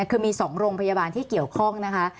คือมี๒โรงพยาบาลที่เกี่ยวข้องนะคะ